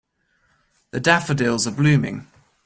The daffodils are blooming.